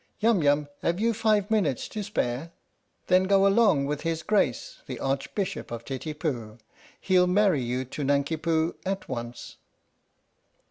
Yum Yum have you five minutes to spare? Then go along with his Grace the Arch bishop of Titipu he'll marry you to Nanki Poo at once."